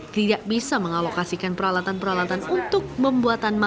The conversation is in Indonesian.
tidak bisa mengalokasikan peralatan peralatan untuk membuat